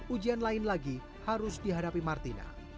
ujian lain lagi harus dihadapi martina